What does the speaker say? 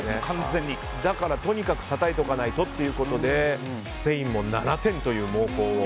だからとにかくたたいておかないとということでスペインも７点という猛攻を。